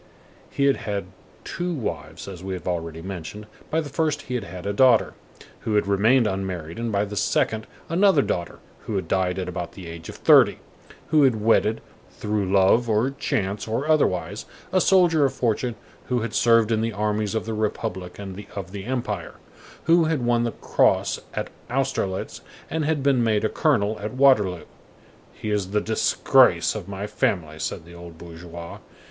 _" He had had two wives, as we have already mentioned; by the first he had had a daughter, who had remained unmarried, and by the second another daughter, who had died at about the age of thirty, who had wedded, through love, or chance, or otherwise, a soldier of fortune who had served in the armies of the Republic and of the Empire, who had won the cross at Austerlitz and had been made colonel at Waterloo. _"He is the disgrace of my family," _ said the old bourgeois.